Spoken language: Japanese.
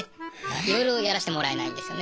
いろいろやらせてもらえないんですよね